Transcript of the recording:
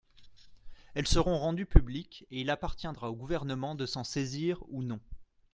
Elles seront rendues publiques et il appartiendra au Gouvernement de s’en saisir ou non.